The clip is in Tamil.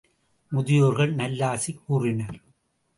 முதியோர்கள் நல்லாசி கூறினர்.